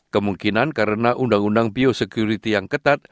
kemungkinan karena undang undang biosecurity yang ketat